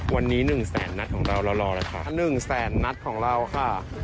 วันนี้๑แสนนัดของเราเรารอเลยค่ะ๑แสนนัดของเราค่ะ